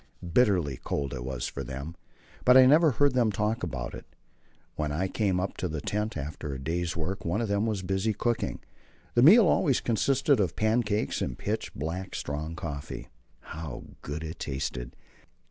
Bitterly cold it was for them, but I never heard them talk about it. When I came up to the tent after the day's work, one of them was busy cooking. The meal always consisted of pancakes and pitch black, strong coffee. How good it tasted!